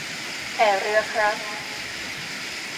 แห่เรือครับ